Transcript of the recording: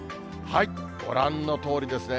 ご覧のとおりですね。